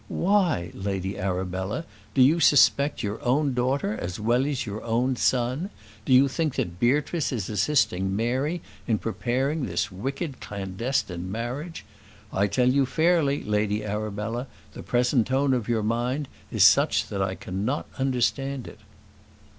Why, Lady Arabella, do you suspect your own daughter as well as your own son? Do you think that Beatrice is assisting Mary in preparing this wicked clandestine marriage? I tell you fairly, Lady Arabella, the present tone of your mind is such that I cannot understand it."